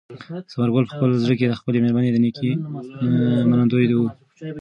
ثمر ګل په خپل زړه کې د خپلې مېرمنې د نېکۍ منندوی و.